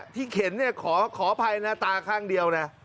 ที่เข็นขอภัยนะตาข้างเดียวน่ะ